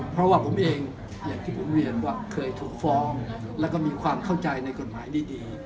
เพราะว่าผมเองอย่างที่ผมเรียนว่าเคยถูกฟ้องแล้วก็มีความเข้าใจในกฎหมายดี